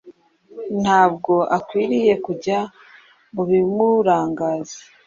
Ntabwo akwiriye kujya mu bimurangaza.